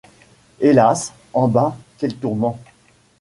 Hélas! en bas, quel tourment !